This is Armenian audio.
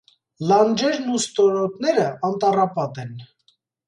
Լտնջերն ու ստորոաճերն, անտսատպատ են։